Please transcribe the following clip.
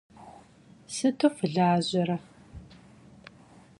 Sıtu vulajere?